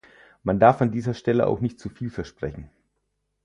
Man darf an dieser Stelle auch nicht zu viel versprechen.